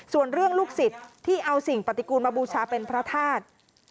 ส่วนเรื่องลูกศิษย์ที่เอาสิ่งปฏิกูลมาบูชาเป็นพระธาตุ